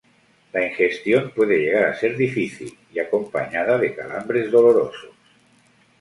La ingestión puede llegar a ser difícil y acompañada de calambres dolorosos.